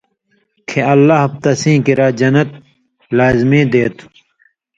کھیں اللہ تسیں کِریا جنت (باغہ) لازمی دے تُھو۔